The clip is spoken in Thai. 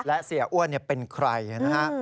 และเสียอ้วนเป็นใครนะฮะ